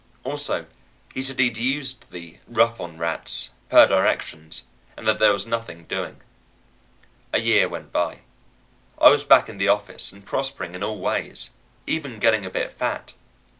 Also, he said he'd used the "rough on rats," per directions, and that there was nothing doing. A year went by. I was back in the office and prospering in all ways even getting a bit fat.